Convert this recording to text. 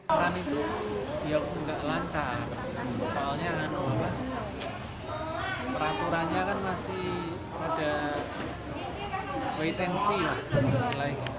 pasokan itu biar tidak lancar soalnya peraturannya kan masih ada keitensi lah